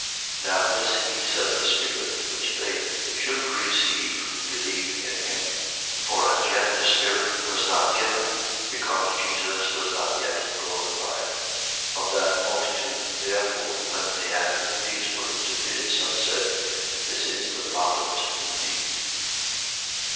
7:39. Now this he said of the Spirit which they should receive who believed in him: for as yet the Spirit was not given, because Jesus was not yet glorified. 7:40. Of that multitude therefore, when they had heard these words of his, some said: This is the prophet indeed.